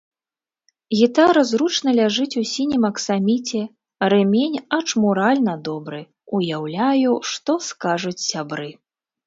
Гітара зручна ляжыць у сінім аксаміце, рэмень ачмуральна добры, уяўляю, што скажуць сябры.